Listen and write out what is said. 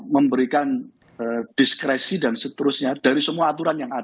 memberikan diskresi dan seterusnya dari semua aturan yang ada